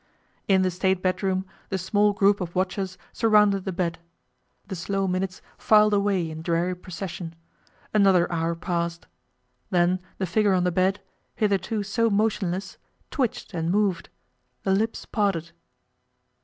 In the State bedroom the small group of watchers surrounded the bed. The slow minutes filed away in dreary procession. Another hour passed. Then the figure on the bed, hitherto so motionless, twitched and moved; the lips parted.